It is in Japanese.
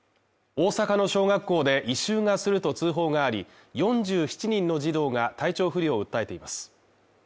大阪の小学校で異臭がすると通報があり、４７人の児童が体調不良を訴えています。